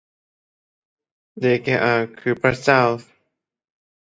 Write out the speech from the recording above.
เดเกอาคือบร๊ะเจ้า